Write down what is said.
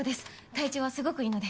体調はすごくいいので。